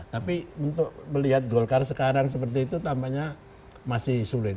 tapi untuk melihat golkar sekarang seperti itu tampaknya masih sulit